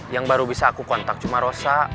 yang baru bisa aku kontak cuma rosa